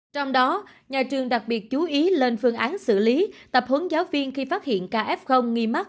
trong đó nhà trường đặc biệt chú ý lên phương án xử lý tập huấn giáo viên khi phát hiện ca f nghi mắc